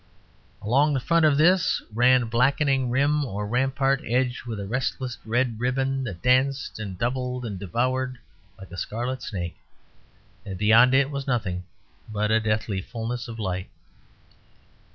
Along the front of this ran a blackening rim or rampart edged with a restless red ribbon that danced and doubled and devoured like a scarlet snake; and beyond it was nothing but a deathly fulness of light.